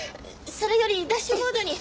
それよりダッシュボードに。